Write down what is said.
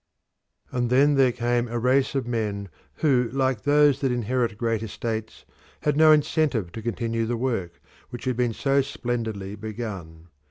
And then there came a race of men who, like those that inherit great estates, had no incentive to continue the work which had been so splendidly begun.